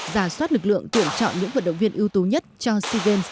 giả soát lực lượng tuyển chọn những vận động viên ưu tú nhất cho sea games ba mươi